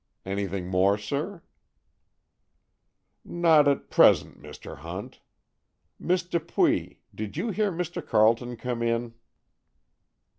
Anything more, sir?" "Not at present, Mr. Hunt. Miss Dupuy, did you hear Mr. Carleton come in?"